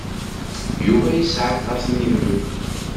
Yuba yesɛa aṭas n yimeddukal.